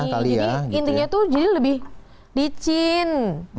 iya jadi intinya tuh jadi lebih licin